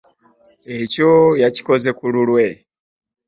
Ekyo yakikoze ku lulwe.